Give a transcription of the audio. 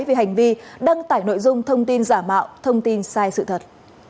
về hành vi đăng tải nội dung thông tin giả mạo thông tin sai sự thật